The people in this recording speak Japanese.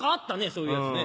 そういうやつね。